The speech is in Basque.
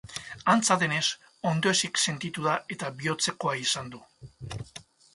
Antza denez, ondoezik sentitu da eta bihotzekoa izan du.